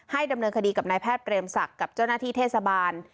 ดำเนินคดีกับนายแพทย์เปรมศักดิ์กับเจ้าหน้าที่เทศบาล